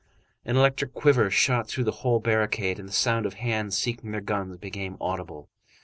An electric quiver shot through the whole barricade, and the sound of hands seeking their guns became audible.